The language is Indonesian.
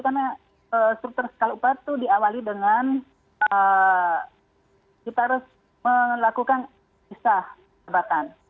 karena struktur skala upah itu diawali dengan kita harus melakukan isah jabatan